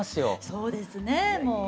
そうですねもう。